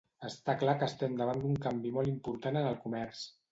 Està clar que estem davant d'un canvi molt important en el comerç.